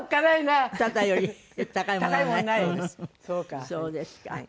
そうですか。